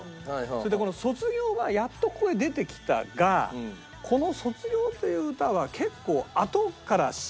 それでこの『卒業』がやっとここで出てきたがこの『卒業』という歌は結構あとから知った曲なんですよ